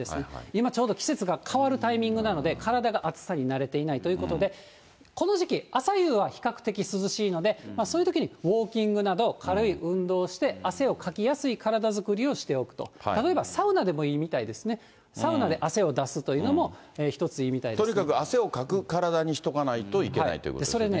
今、ちょうど季節が変わるタイミングなので、体が暑さに慣れていないということで、この時期、朝夕は比較的涼しいので、そういうときにウォーキングなど、軽い運動をして、汗をかきやすい体づくりをしておくと、例えばサウナでもいいようですね、サウナで汗を出すというのも、ひとにかく汗をかく体にしておかないといけないということですよね。